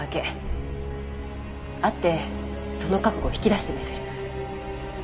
会ってその覚悟引き出してみせる。